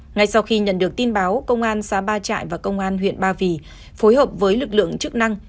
ngay sau khi nhận được tin báo công an xã ba trại và công an huyện ba vì phối hợp với lực lượng chức năng